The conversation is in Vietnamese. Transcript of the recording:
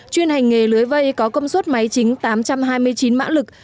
chuyên hành nghề lưới vây có công suất máy chính tám trăm hai mươi chín mã lực